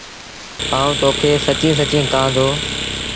آئوٚنٚ تو کي سچيٚݩ سچيٚݩ ڪهآندو